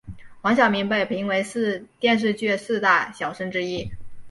黄晓明被评为电视剧四大小生之一。